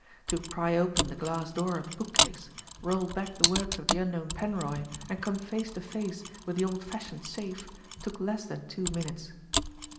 To pry open the glass door of the book case, roll back the works of the unknown Penroy and come face to face with the old fashioned safe took less than two minutes.